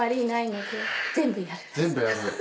全部やる。